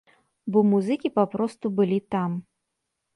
Бо музыкі папросту былі там.